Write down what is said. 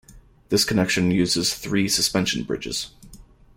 This connection uses three suspension bridges.